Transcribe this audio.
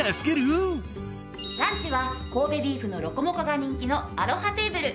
ランチは神戸ビーフのロコモコが人気のアロハテーブル。